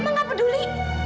mama gak peduli